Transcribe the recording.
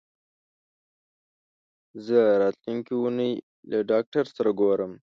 زه راتلونکې اونۍ له ډاکټر سره ګورم.